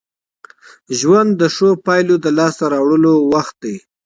ژوند د ښو پايلو د لاسته راوړلو وخت دی.